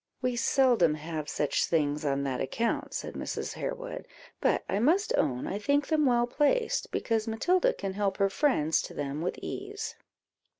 "We seldom have such things on that account," said Mrs. Harewood; "but I must own I think them well placed, because Matilda can help her friends to them with ease."